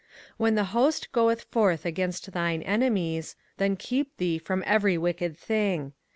05:023:009 When the host goeth forth against thine enemies, then keep thee from every wicked thing.